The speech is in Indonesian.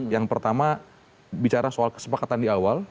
yang pertama bicara soal kesepakatan di awal